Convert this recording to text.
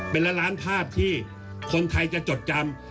เป็นละล้านภาพที่คนไทยจะจดจำ